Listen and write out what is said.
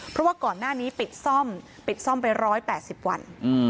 เพราะว่าก่อนหน้านี้ปิดซ่อมไป๑๘๐วัน